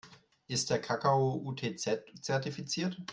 Ist der Kakao UTZ-zertifiziert?